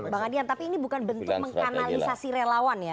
bang adian tapi ini bukan bentuk mengkanalisasi relawan ya